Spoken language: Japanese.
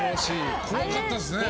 怖かったですね。